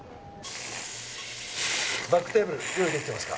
バックテーブル用意出来てますか？